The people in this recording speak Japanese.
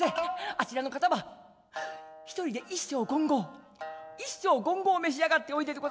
あちらの方は一人で一升五合一升五合召し上がっておいででございます。